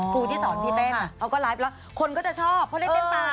ครูที่สอนพี่เต้นเขาก็ไลฟ์แล้วคนก็จะชอบเพราะเล่นเต้นตา